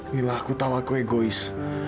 mila aku tahu aku egois